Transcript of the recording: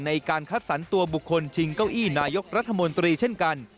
ในการคัดสรรตัวบุคคลชิงเก้าอี้นายกรัฐมนตรีเช่นกัน